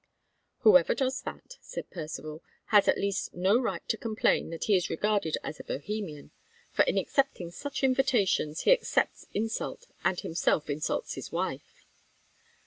"Whoever does that," said Percivale, "has at least no right to complain that he is regarded as a Bohemian; for in accepting such invitations, he accepts insult, and himself insults his wife."